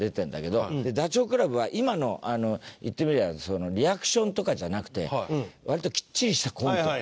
ダチョウ倶楽部は今の言ってみりゃリアクションとかじゃなくて割ときっちりしたコントを。